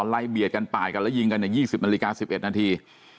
ไล่เบียดกันป่ายกันและยิงกันอย่าง๒๐นาฬิกา๑๑นาที